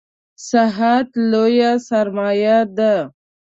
صحت لویه سرمایه ده